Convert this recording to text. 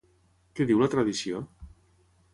Què diu la tradició?